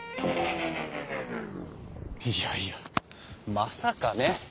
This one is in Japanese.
いやいやまさかね。